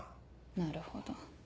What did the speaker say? なるほど。